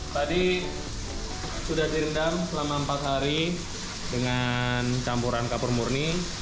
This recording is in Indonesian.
tadi sudah direndam selama empat hari dengan campuran kapur murni